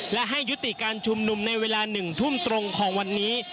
และให้ยุติการชุมนุมในเวลา๑ทุ่มตรงของวันนี้